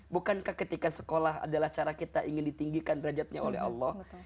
bukankah ketika sekolah adalah cara kita ingin ditinggikan derajatnya oleh allah